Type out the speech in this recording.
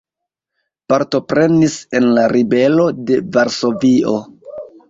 Partoprenis en la ribelo de Varsovio.